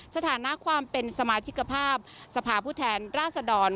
สถานะความเป็นสมาชิกภาพสภาพผู้แทนราษดร